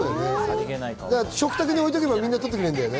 食卓に置いとけば、みんな撮ってくれるんだね。